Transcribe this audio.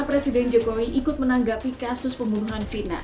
presiden jokowi ikut menanggapi kasus pembunuhan fina